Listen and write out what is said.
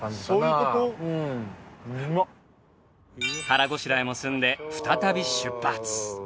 腹ごしらえも済んで再び出発！